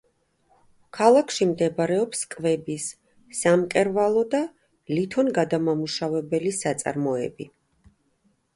ქალაქში მდებარეობს კვების, სამკერვალო და ლითონგადამამუშავებელი საწარმოები.